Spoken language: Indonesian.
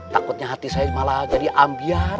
takutnya hati saya malah jadi ambiar